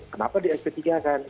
kenapa di sp tiga kan